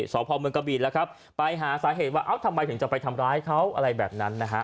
สพเมืองกะบีแล้วครับไปหาสาเหตุว่าเอ้าทำไมถึงจะไปทำร้ายเขาอะไรแบบนั้นนะฮะ